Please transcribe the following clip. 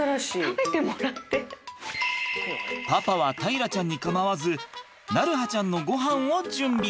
パパは大樂ちゃんに構わず鳴映ちゃんのごはんを準備。